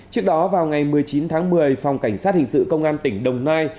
trước đó vào ngày một mươi chín tháng một mươi phòng cảnh sát hình sự công an tỉnh đồng nai